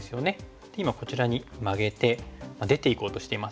今こちらにマゲて出ていこうとしています。